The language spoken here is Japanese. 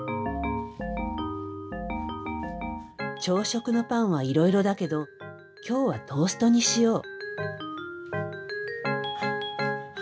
朝食のパンはいろいろだけど今日はトーストにしよう。